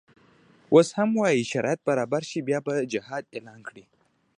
اوس هم وایي شرایط برابر شي بیا به جهاد اعلان کړي.